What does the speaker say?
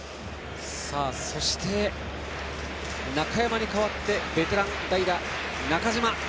そして、中山に代わってベテランの代打、中島。